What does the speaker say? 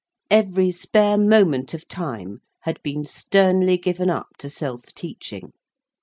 Every spare moment of time had been sternly given up to self teaching.